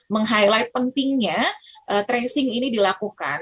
meng highlight pentingnya tracing ini dilakukan